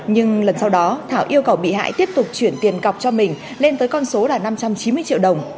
nhưng lần sau đó thảo yêu cầu bị hại tiếp tục chuyển tiền cọc cho mình lên tới con số là năm trăm chín mươi triệu đồng